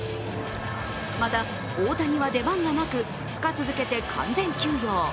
また大谷は出番がなく、２日続けて完全休養。